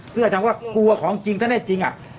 ซึ่งอาจารย์ว่ากูอ่ะของจริงถ้าแน่จริงอ่ะ